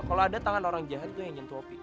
kalau ada tangan orang jahat juga yang nyentuh opi